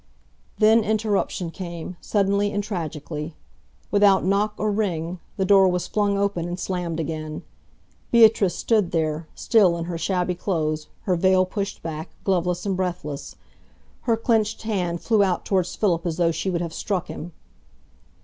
Then interruption came, suddenly and tragically. Without knock or ring, the door was flung open and slammed again. Beatrice stood there, still in her shabby clothes, her veil pushed back, gloveless and breathless. Her clenched hand flew out towards Philip as though she would have struck him.